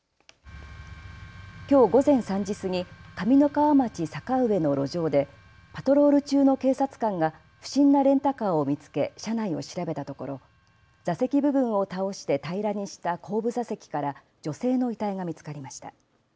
きょう午前３時過ぎ、上三川町坂上の路上でパトロール中の警察官が不審なレンタカーを見つけ車内を調べたところ座席部分を倒して平らにした後部座席から女性の遺体が見つかりました。